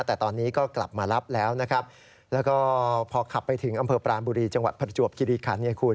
แต่ตอนนี้ก็กลับมารับแล้วนะครับแล้วก็พอขับไปถึงอำเภอปรานบุรีจังหวัดประจวบคิริขันไงคุณ